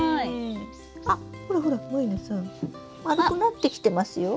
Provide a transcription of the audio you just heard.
あほらほら満里奈さん丸くなってきてますよ。